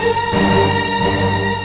kau sudah pernah menemukan